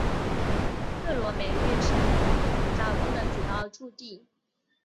克罗梅日什总主教宫的主要驻地。